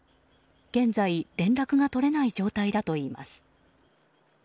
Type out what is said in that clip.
現在、連絡が取れない状態だといいます。